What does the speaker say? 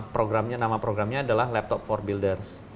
programnya nama programnya adalah laptop for builders